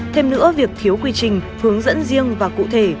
thêm nữa việc thiếu quy trình hướng dẫn riêng và cụ thể